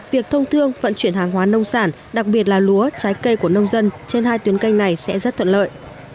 việc thông thương vận chuyển hàng hóa nông sản đặc biệt là lúa trái cây của nông dân trên hai tuyến canh này sẽ rất thuận lợi